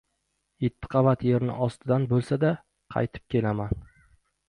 Yetti qavat yerni ostidan bo‘lsa-da, qaytib kelaman.